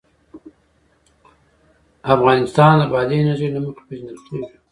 افغانستان د بادي انرژي له مخې پېژندل کېږي.